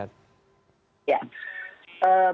ya beberapa kasus kita bisa menangani dengan normal